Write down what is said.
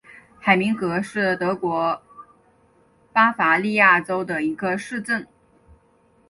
海明格是德国巴伐利亚州的一个市镇。